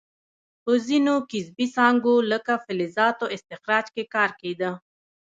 په ځینو کسبي څانګو لکه فلزاتو استخراج کې کار کیده.